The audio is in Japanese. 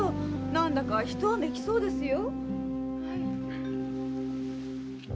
何だかひと雨きそうですよ。